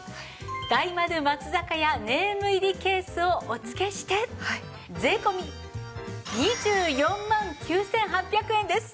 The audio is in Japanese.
大丸松坂屋ネーム入りケースをお付けして税込２４万９８００円です。